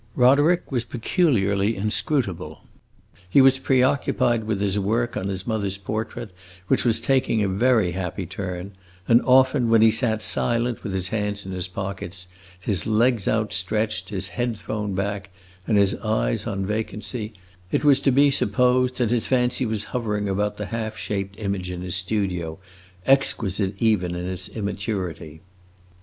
Roderick was peculiarly inscrutable. He was preoccupied with his work on his mother's portrait, which was taking a very happy turn; and often, when he sat silent, with his hands in his pockets, his legs outstretched, his head thrown back, and his eyes on vacancy, it was to be supposed that his fancy was hovering about the half shaped image in his studio, exquisite even in its immaturity.